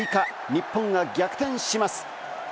日本が逆転します。